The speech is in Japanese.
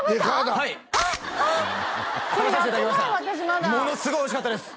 まだものすごいおいしかったです！